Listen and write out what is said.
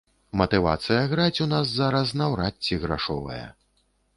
Матывацыя граць у нас зараз наўрад ці грашовая.